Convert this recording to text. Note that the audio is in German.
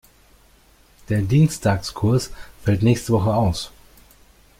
Der Dienstagskurs fällt nächste Woche aus.